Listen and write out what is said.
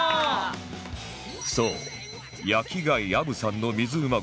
そう焼き貝あぶさんの水うま